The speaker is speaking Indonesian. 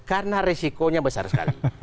karena resikonya besar sekali